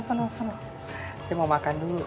saya mau makan dulu